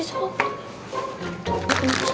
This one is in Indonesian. nih kamu liat deh